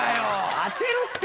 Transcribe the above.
当てろって！